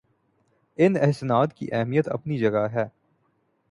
ان اسناد کی اہمیت اپنی جگہ ہے